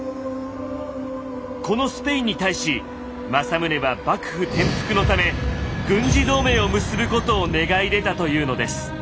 このスペインに対し政宗は幕府転覆のため軍事同盟を結ぶことを願い出たというのです。